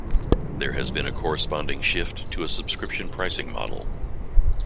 There has been a corresponding shift to a subscription pricing model.